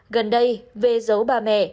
gần đây vê giấu bà mẹ